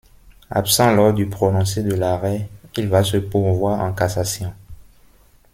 Absent lors du prononcé de l'arrêt, il va se pourvoir en cassation.